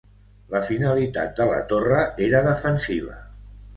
La finalitat de la torre era defensiva.